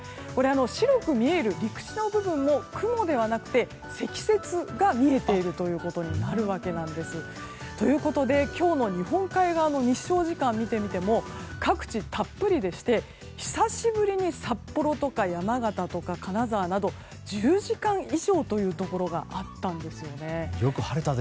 白く見える陸地の部分も雲ではなくて積雪が見えているということになるわけなんです。ということで、今日の日本海側の日照時間を見てみても各地たっぷりでして久しぶりに札幌や山形や金沢など、１０時間以上というところがあったんです。